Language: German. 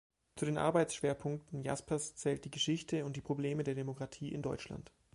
Zu den Arbeitsschwerpunkten Jaspers zählt die Geschichte und die Probleme der Demokratie in Deutschland.